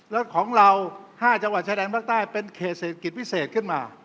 แล้วของเรา๕จังหวัดชายแดนภาคใต้เป็นเขตเศรษฐกิจพิเศษขึ้นมา